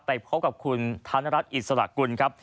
ไปพบกับคุณธนรัฐอิสระกุลครับ